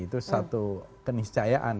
itu satu keniscayaan